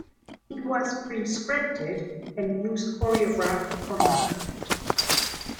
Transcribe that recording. It was pre-scripted and used choreographed combat.